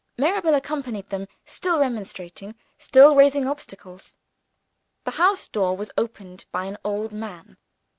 Mirabel accompanied them, still remonstrating, still raising obstacles. The house door was opened by an old man.